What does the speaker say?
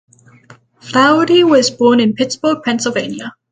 Flaherty was born in Pittsburgh, Pennsylvania.